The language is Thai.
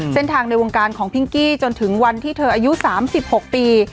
ในวงการของพิงกี้จนถึงวันที่เธออายุ๓๖ปี